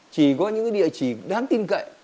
chỉ có những địa chỉ đáng tin cậy